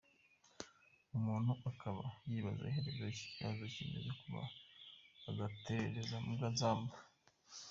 Umuntu akaba yibaza amaherezo y’iki kibazo kimaze kuba agatereranzamba.